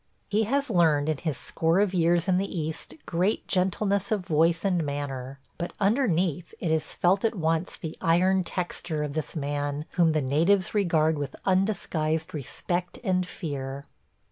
... He has learned in his score of years in the East great gentleness of voice and manner, but underneath it is felt at once the iron texture of this man whom the natives regard with undisguised respect and fear.